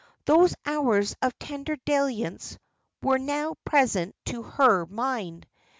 Those hours of tender dalliance were now present to her mind.